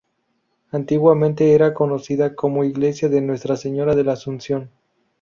Antiguamente era conocida como Iglesia de Nuestra Señora de la Asunción.